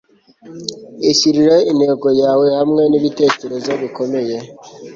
ishyirireho intego yawe hamwe n'ibitekerezo bikomeye